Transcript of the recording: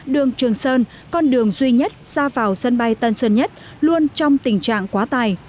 đường trường sơn con đường duy nhất ra vào sân bay tân sơn nhất luôn trong tình trạng quá tài